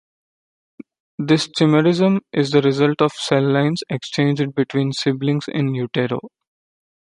This chimerism is the result of cell lines exchanged between siblings in utero.